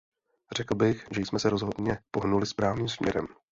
Řekl bych, že jsme se rozhodně pohnuli správným směrem.